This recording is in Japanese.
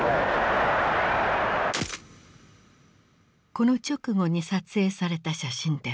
この直後に撮影された写真である。